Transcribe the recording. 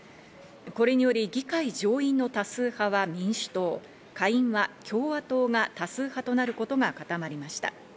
これにより議会上院の多数派は民主党、下院は共和党が多数派となることが固まりました。